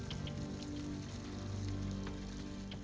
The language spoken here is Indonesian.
sorghum ini menjadikan sorghum